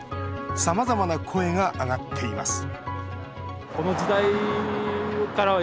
さまざまな声が上がっています